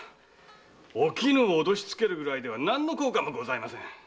お絹を脅しつけるぐらいでは何の効果もございません。